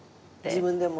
自分でも？